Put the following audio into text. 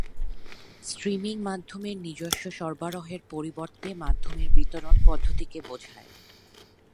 Streaming মাধ্যমের নিজস্ব সরবরাহের পরিবর্তে মাধ্যমের বিতরণ পদ্ধতিকে বোঝায়।